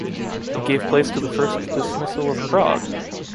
It gave place to the first Dismissal of Prague.